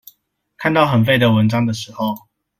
看到很廢的文章的時候